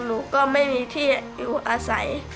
หนูก็ไม่มีที่อยู่อาศัย